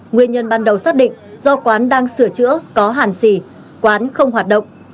nguyên nhân ban đầu xác định do quán đang sửa chữa có hàn xỉ quán không hoạt động